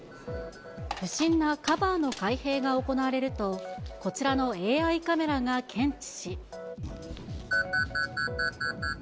不審なカバーの開閉が行われると、こちらのＡＩカメラが検知し。